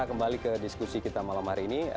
kembali ke diskusi kita malam hari ini